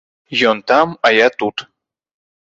Ён там, а я тут.